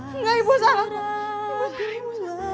agar pai pakatnya